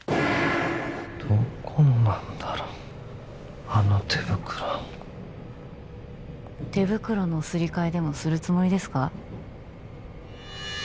どこのなんだろあの手袋手袋のすり替えでもするつもりですか？